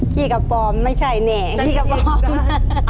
ขี้กระปอมไม่ใช่แหน่ง